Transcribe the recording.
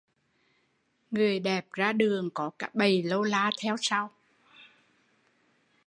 Người đẹp ra đường có cả bầy lâu la theo sau